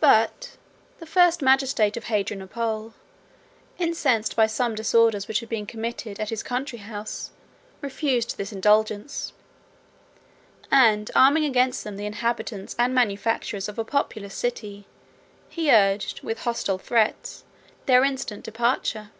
But the first magistrate of Hadrianople, incensed by some disorders which had been committed at his country house, refused this indulgence; and arming against them the inhabitants and manufacturers of a populous city, he urged, with hostile threats, their instant departure.